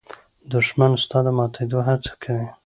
دښمن ستا د ماتېدو هڅه کوي